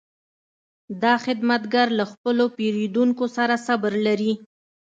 دا خدمتګر له خپلو پیرودونکو سره صبر لري.